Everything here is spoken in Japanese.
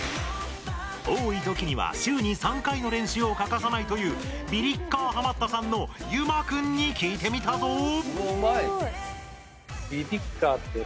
多いときには週に３回の練習を欠かさないというビリッカーハマったさんのゆまくんに聞いてみたぞ！